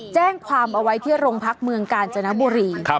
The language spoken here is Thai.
แจ้งความเอาไว้ที่โรงพักเมืองกาญจนบุรี